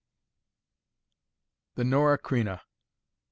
THE "NORAH CREINA."